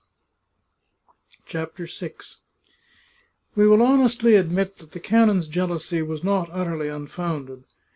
CHAPTER VI We will honestly admit that the canon's jealousy was not utterly unfounded.